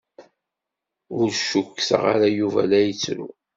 Ur cukkteɣ ara Yuba la yettru.